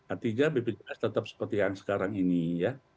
artinya bpjs tetap seperti yang sekarang ini ya